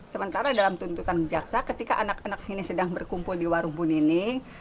sementara dalam tuntutan jaksa ketika anak anak ini sedang berkumpul di warung bu nining